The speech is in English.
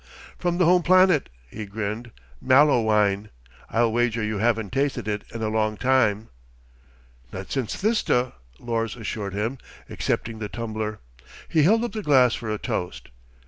"From the home planet," he grinned. "Mallowine. I'll wager you haven't tasted it in a long time." "Not since Thista," Lors assured him, accepting the tumbler. He held up the glass for a toast.